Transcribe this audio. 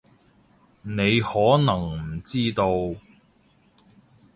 你可能唔知道